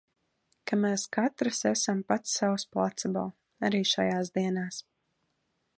Ka mēs katrs esam pats savs placebo – arī šajās dienās!